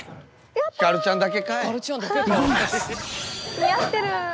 似合ってる！